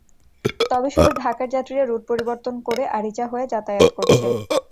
তবে শুধু ঢাকার যাত্রীরা রুট পরিবর্তন করে আরিচা হয়ে যাতায়াত করছে।